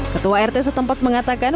ketua rt setempat mengatakan